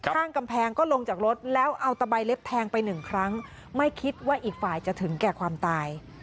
ข้างกำแพงก็ลงจากรถแล้วเอาตะใบเล็บแทงไปหนึ่งครั้งไม่คิดว่าอีกฝ่ายจะถึงแก่ความตาย